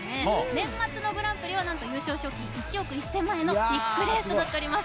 年末のグランプリは優勝賞金１億１０００万円のビッグレースとなっております。